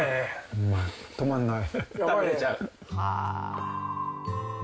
うまい、止まんない。